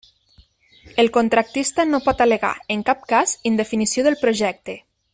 El contractista no pot al·legar en cap cas indefinició del projecte.